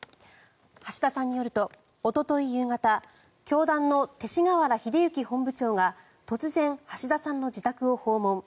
橋田さんによると、おととい夕方教団の勅使河原秀行本部長が突然、橋田さんの自宅を訪問。